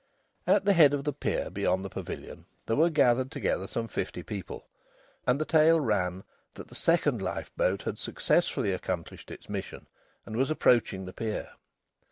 At the head of the pier beyond the pavilion, there were gathered together some fifty people, and the tale ran that the second lifeboat had successfully accomplished its mission and was approaching the pier.